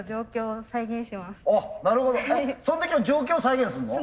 その時の状況を再現するの？